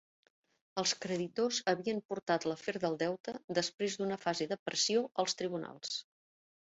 Els creditors havien portat l'afer del deute, després d'una fase de pressió, als tribunals.